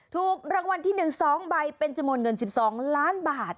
ถูกรางวัลที่๑๒ใบเป็นจำนวนเงิน๑๒ล้านบาท